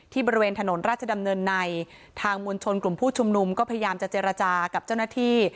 บริเวณถนนราชดำเนินในทางมวลชนกลุ่มผู้ชุมนุมก็พยายามจะเจรจากับเจ้าหน้าที่